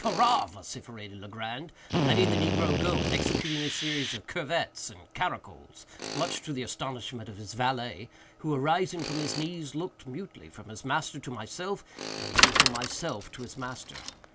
hurrah!" vociferated Legrand, letting the negro go, and executing a series of curvets and caracols, much to the astonishment of his valet, who, arising from his knees, looked, mutely, from his master to myself, and then from myself to his master.